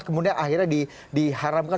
kemudian akhirnya diharamkan